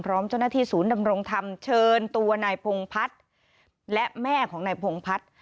พร้อมเจ้าหน้าที่ศูนย์ดำรงธรรมเชิญตัวนายพงพัฒน์และแม่ของนายพงพัฒน์